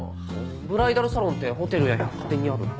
ブライダルサロンってホテルや百貨店にある？